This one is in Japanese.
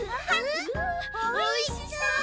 おいしそう！